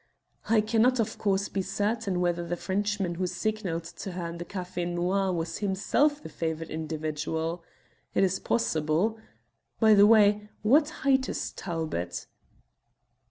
I cannot, of course, be certain whether the Frenchman who signalled to her in the Café Noir was himself the favoured individual. It is possible. By the way, what height is Talbot?"